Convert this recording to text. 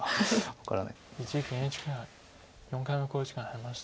一力ＮＨＫ杯４回目の考慮時間に入りました。